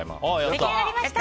出来上がりました！